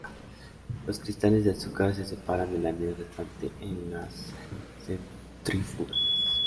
Los cristales de azúcar se separan de la miel restante en las centrífugas.